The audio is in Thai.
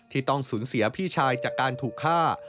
ต้องสูญเสียพี่ชายจากการถูกฆ่า